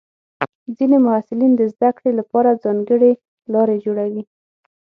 ځینې محصلین د زده کړې لپاره ځانګړې لارې جوړوي.